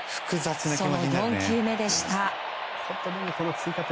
その４球目でした。